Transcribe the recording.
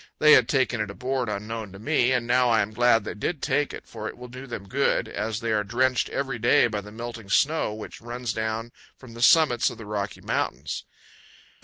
They had taken it aboard unknown to me, and now I am glad they did take it, for it will do them good, as they are drenched every day by the melting snow which runs down from the summits of the Rocky Mountains.